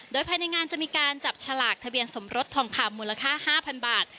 โดยภายในงานจะมีการจับฉลากทะเบียนสมรสทองคำมูลค่า๕๐๐บาท